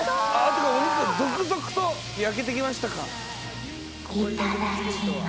お肉が続々と焼けてきましたか。